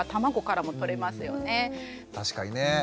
確かにね。